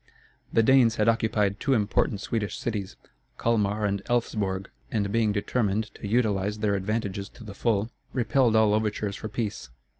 The Danes had occupied two important Swedish cities, Calmar and Elfsborg, and being determined to utilize their advantages to the full, repelled all overtures for peace.